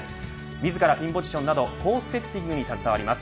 自らピンポジションなどコースセッティングに携わります。